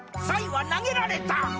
さいは投げられた。